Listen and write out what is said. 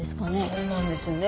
そうなんですよね。